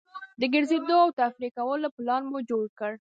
د ګرځېدو او تفریح کولو پلان مو جوړ کړ.